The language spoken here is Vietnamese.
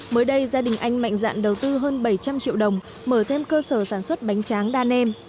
mới đây gia đình anh mạnh dạn đầu tư hơn bảy trăm linh triệu đồng mở thêm cơ sở sản xuất bánh tráng đa nêm